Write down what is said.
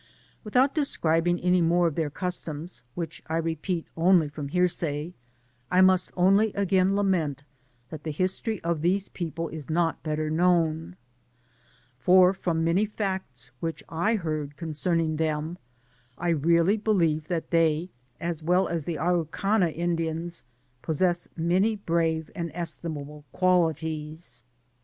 Without describing any more oi thdr customs, which I repeat oiily from hearsay, I must only again lament that the history of these people is hot better known ; for, from many facts which I heard condermng them, I really believe thttt they, as well as the Araucana Indians, possess many brave and estimable qualities.